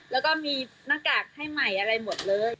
แล้วก็มีหน้ากากให้ใหม่อะไรหมดเลย